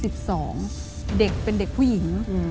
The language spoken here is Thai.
เด็กเป็นเด็กผู้หญิง